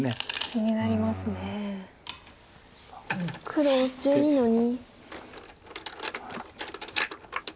黒１２の二。